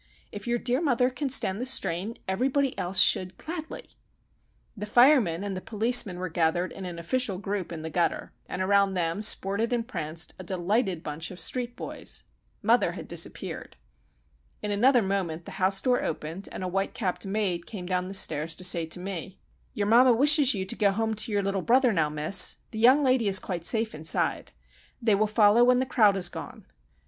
If your dear mother can stand the strain, everybody else should gladly!" The firemen and policemen were gathered in an official group in the gutter, and around them sported and pranced a delighted bunch of street boys. Mother had disappeared. In another moment the house door opened, and a whitecapped maid came down the stairs to say to me,— "Your mamma wishes you to go home to your little brother now, miss. The young lady is quite safe inside. They will follow when the crowd has gone.